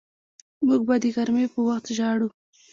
موږ به د غرمې په وخت ژاړو